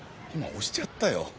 今押しちゃったよ。